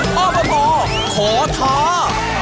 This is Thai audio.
อบอตรอขอท้า